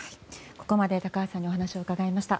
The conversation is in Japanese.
ここまで高橋さんにお話を伺いました。